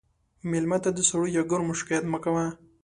مېلمه ته د سړو یا ګرمو شکایت مه کوه.